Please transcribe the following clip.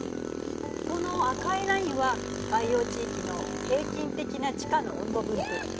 この赤いラインは海洋地域の平均的な地下の温度分布。